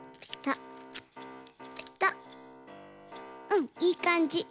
うんいいかんじ。